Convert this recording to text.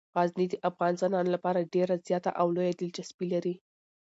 غزني د افغان ځوانانو لپاره ډیره زیاته او لویه دلچسپي لري.